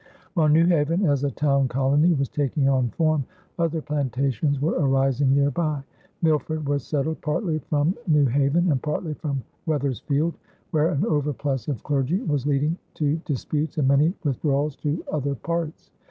While New Haven as a town colony was taking on form, other plantations were arising near by. Milford was settled partly from New Haven and partly from Wethersfield, where an overplus of clergy was leading to disputes and many withdrawals to other parts.